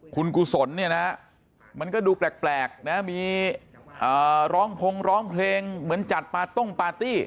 คุณกุศลเนี่ยนะมันก็ดูแปลกนะมีร้องพงร้องเพลงเหมือนจัดปาต้งปาร์ตี้